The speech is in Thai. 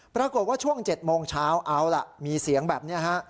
ปรากฏว่าช่วง๗โมงเช้าเอาล่ะมีเสียงแบบนี้ฮะ